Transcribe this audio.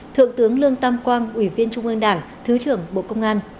thượng tướng lương tam quang ủy viên trung ương đảng thứ trưởng bộ công an